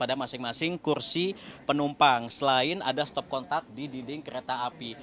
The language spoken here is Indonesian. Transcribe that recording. ada masing masing kursi penumpang selain ada stop kontak di dinding kereta api